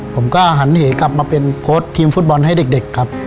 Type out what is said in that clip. ผมก็หันเหกลับมาเป็นโพสต์ทีมฟุตบอลให้เด็กครับ